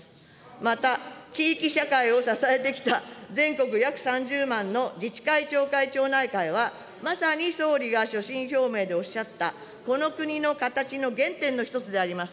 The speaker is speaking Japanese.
また、地域社会を支えてきた、全国約３０万の自治会・町内会はまさに総理が所信表明でおっしゃった、この国のかたちの原点の一つであります。